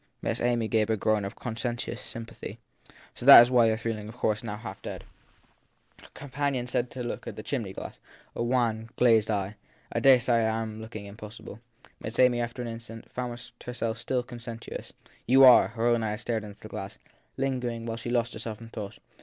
Miss Amy gave a groan of conscientious sympathy. So that you re feeling now, of course, half dead. Her companion turned to the chimney glass a wan, glazed eye. I dare say I am looking impossible. Miss Amy, after an instant, found herself still conscientious. You are. Her own eyes strayed to the glass, lingering there while she lost herself in thought.